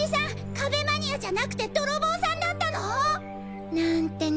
壁マニアじゃなくてドロボーさんだったの？なんてね。